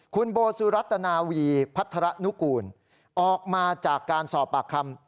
คุณโบสุรัตนาวีพัฒระนุกูลออกมาจากการสอบปากคำ